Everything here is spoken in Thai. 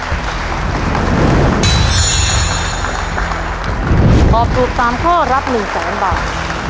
ตอบถูก๓ข้อรับ๑แสนบาท